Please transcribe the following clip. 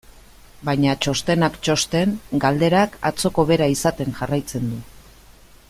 Baina, txostenak txosten, galderak atzoko bera izaten jarraitzen du.